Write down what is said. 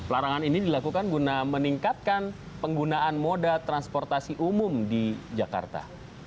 larangan ini dilakukan guna meningkatkan penggunaan moda transportasi umum di jakarta